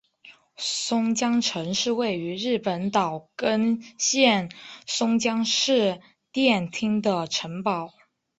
松江城是位于日本岛根县松江市殿町的城堡。